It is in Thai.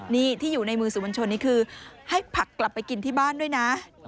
นี่ที่อยู่ในมือสื่อมวลชนนี่คือให้ผักกลับไปกินที่บ้านด้วยนะ